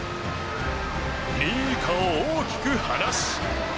２位以下を大きく離し。